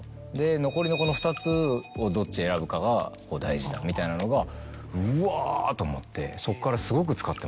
残りの２つをどっち選ぶかが大事だみたいなのがうわ！と思ってそっから。